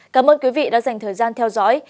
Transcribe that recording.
cảm ơn quý vị đã dành thời gian theo dõi